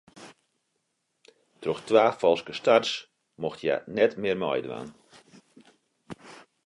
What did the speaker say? Troch twa falske starts mocht hja net mear meidwaan.